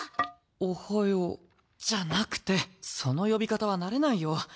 おはようじゃなくてその呼び方は慣れないよ。